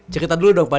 cerita dulu dong pak